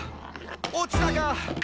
落ちたか！」